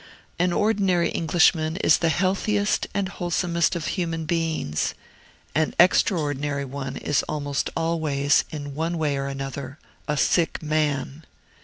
An ordinary Englishman is the healthiest and wholesomest of human beings; an extraordinary one is almost always, in one way or another, a sick man.